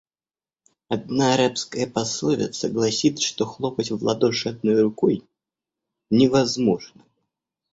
Одна арабская пословица гласит, что хлопать в ладоши одной рукой невозможно.